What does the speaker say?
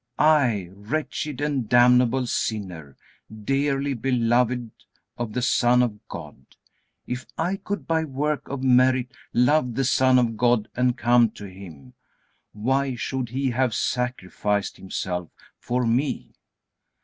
I, wretched and damnable sinner, dearly beloved of the Son of God. If I could by work or merit love the Son of God and come to Him, why should He have sacrificed Himself for me?